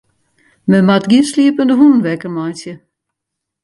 Men moat gjin sliepende hûnen wekker meitsje.